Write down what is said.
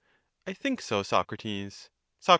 I think so, Socrates. Soc.